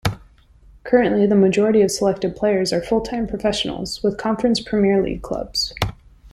Currently, the majority of selected players are full-time professionals with Conference Premier league clubs.